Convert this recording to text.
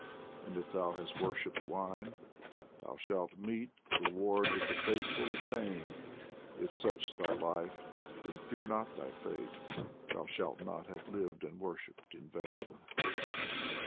And if thou hast worshipped wine, thou shalt meet The reward that the Faithful attain ; If such thy life, then fear not thy fate, Thou shalt not have lived and worshipped in vain